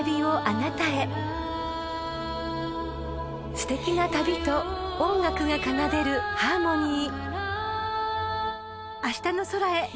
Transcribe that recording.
［すてきな旅と音楽が奏でるハーモニー］